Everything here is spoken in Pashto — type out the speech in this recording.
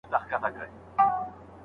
څېړونکی باید څه ډول ځانګړتیاوې ولري؟